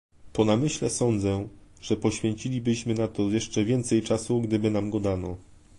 Po namyśle sądzę, że poświęcilibyśmy na to jeszcze więcej czasu, gdyby nam go dano